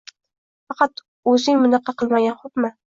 Faqat o‘zing bunaqa qilmagin, xo‘pmi?